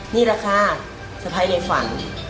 นี่แหละค่ะสะพ้ายในฝัน